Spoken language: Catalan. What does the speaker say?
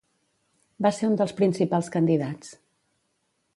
Va ser un dels principals candidats.